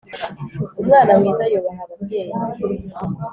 umwana mwiza yubaha ababyeyi